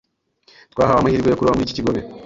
Twahawe amahirwe yo kuroba muri iki kigobe.